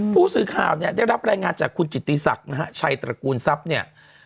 ผู้ซื้อข่าวได้รับรายงานจากคุณจิตรีศักดิ์ชัยตระกูลทรัพย์